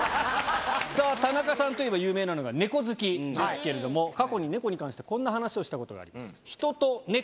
さあ、田中さんといえば、有名なのが猫好きですけれども、過去に猫に関してこんな話をしたことがあります。